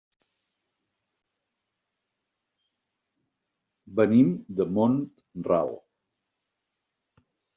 Venim de Mont-ral.